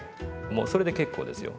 もうそれで結構ですよ。